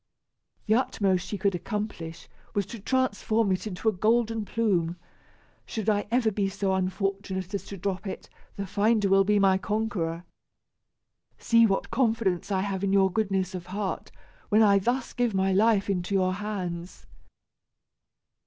The utmost she could accomplish was to transform it into a golden plume. Should I ever be so unfortunate as to drop it, the finder will be my conqueror. See what confidence I have in your goodness of heart, when I thus give my life into your hands."